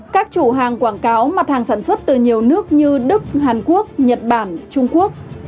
các chủ hàng quảng cáo mặt hàng sản xuất từ nhiều nước như đức hàn quốc nhật bản trung quốc